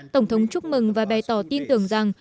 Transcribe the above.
tổng thống chúc mừng và bày tỏ tin tưởng rằng